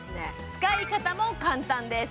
使い方も簡単です